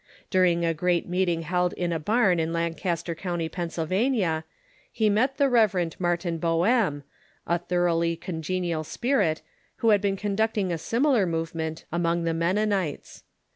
During a great meeting held in a barn in Lancaster County, Pennsylvania, he met the Rev. Martin Boehm, a thoroughly congenial spirit, who had been conducting a similar movement among the Mennonites.